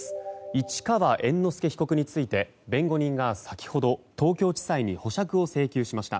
市川猿之助被告について弁護人が先ほど東京地裁に保釈を請求しました。